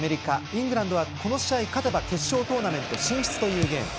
イングランドはこの試合勝てば決勝トーナメント進出というゲーム。